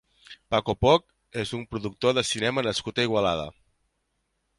Paco Poch és un productor de cinema nascut a Igualada.